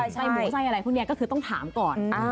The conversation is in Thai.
ไส้หมูไส้อะไรพวกนี้ก็คือต้องถามก่อน